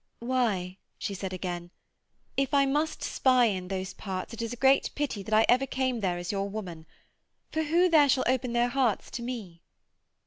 'Why,' she said again, 'if I must spy in those parts it is a great pity that I ever came there as your woman; for who there shall open their hearts to me?'